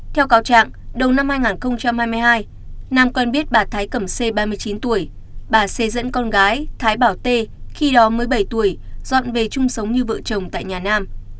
theo cáo trạng đầu năm hai nghìn hai mươi hai nam quen biết bà thái cẩm sê ba mươi chín tuổi bà cê dẫn con gái thái bảo tê khi đó mới bảy tuổi dọn về chung sống như vợ chồng tại nhà nam